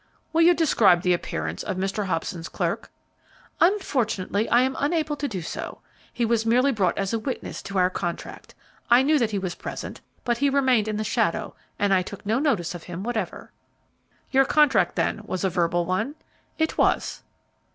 "Will you describe the appearance of Mr. Hobson's clerk?" "Unfortunately, I am unable to do so. He was merely brought as a witness to our contract. I knew that he was present, but he remained in the shadow, and I took no notice of him whatever." "Your contract, then, was a verbal one?" "It was."